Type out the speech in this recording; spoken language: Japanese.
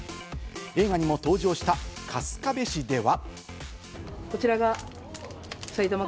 映画にも登場した春日部市では。